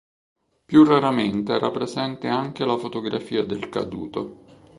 Più raramente era presente anche la fotografia del caduto.